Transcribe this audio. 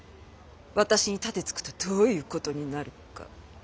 私に盾つくとどういうことになるか。